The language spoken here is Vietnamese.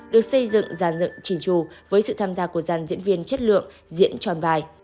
được xây dựng giàn dựng trình trù với sự tham gia của dàn diễn viên chất lượng diễn tròn vài